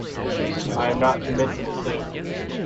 I am not to mention the suit.